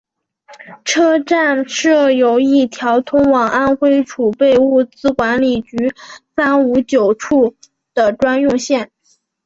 车站设有一条通往安徽储备物资管理局三五九处的专用线。